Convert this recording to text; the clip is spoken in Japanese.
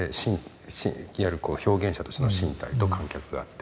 で表現者としての身体と観客があって。